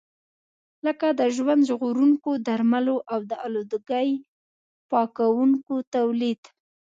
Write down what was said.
لکه د ژوند ژغورونکو درملو او د آلودګۍ پاکونکو تولید.